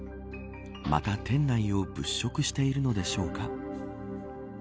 また店内を物色しているのでしょうか。